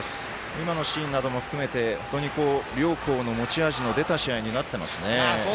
今のシーンなども含めて本当に両校の持ち味の出た試合になっていますね。